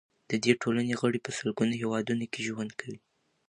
د دې ټولنې غړي په سلګونو هیوادونو کې ژوند کوي.